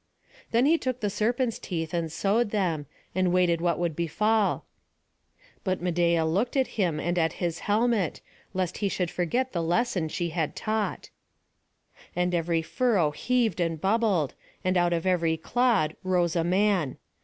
Then he took the serpents' teeth and sowed them, and waited what would befall. But Medeia looked at him and at his helmet, lest he should forget the lesson she had taught. And every furrow heaved and bubbled, and out of every clod rose a man.